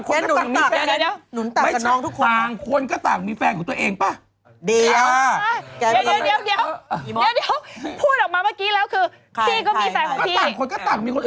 แกหนุนตักกับน้องทุกคน